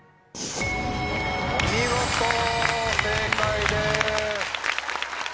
お見事正解です。